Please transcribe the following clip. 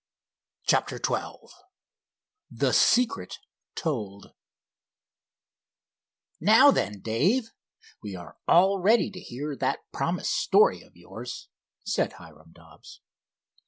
CHAPTER XII THE SECRET TOLD "Now then, Dave, we are all ready to hear that promised story of yours," said Hiram Dobbs.